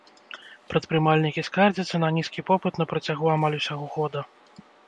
Прадпрымальнікі скардзяцца на нізкі попыт на працягу амаль ўсяго года.